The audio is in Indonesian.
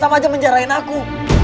sama aja menjarahin aku